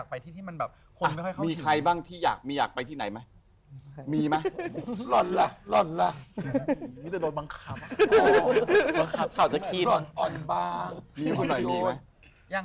ก็เค้าบอกว่าแบบหุ่น